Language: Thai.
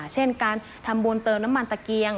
เช่นการทำบุญเติมน้ำมันตะเกียง